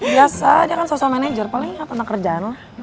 biasa dia kan sosok manajer paling apa ngerjain lah